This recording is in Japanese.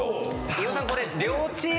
飯尾さんこれ。